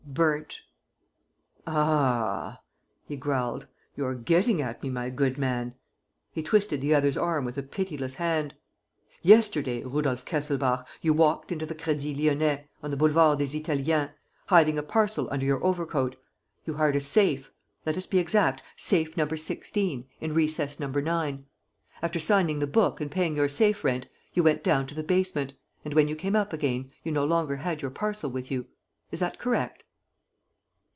"Burnt." "Ah," he growled, "you're getting at me, my good man!" He twisted the other's arm with a pitiless hand. "Yesterday, Rudolf Kesselbach, you walked into the Crédit Lyonnais, on the Boulevard des Italiens, hiding a parcel under your overcoat. You hired a safe ... let us be exact: safe No. 16, in recess No. 9. After signing the book and paying your safe rent, you went down to the basement; and, when you came up again, you no longer had your parcel with you. Is that correct?"